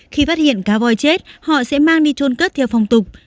khi phát hiện cá voi chết họ sẽ mang đi trôn cất theo phòng tục